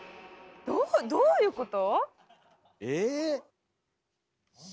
どうどういうこと？え？